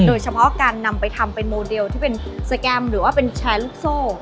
โดยเฉพาะการนำไปทำเป็นโมเดลที่เป็นสแกรมหรือว่าเป็นแชร์ลูกโซ่